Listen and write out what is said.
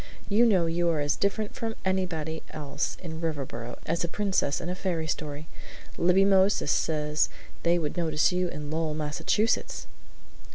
"You know you are as different from anybody else in Riverboro as a princess in a fairy story. Libby Moses says they would notice you in Lowell, Massachusetts!"